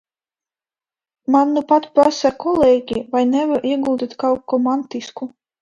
Man nupat prasīja kolēģi, vai nevar ieguldīt kaut ko mantisku.